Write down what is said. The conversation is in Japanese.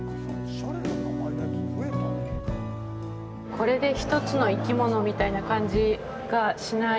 これで一つの生き物みたいな感じがしない。